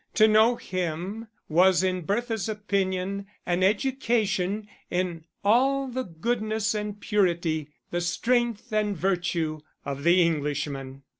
To know him was in Bertha's opinion an education in all the goodness and purity, the strength and virtue of the Englishman!